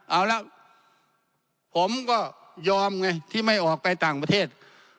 เอาละผมก็ยอมไงที่ไม่ออกไปต่างประเทศ